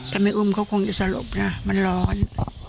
แต่ไม่อุ้มเขาคงจะสลบนะมันร้อน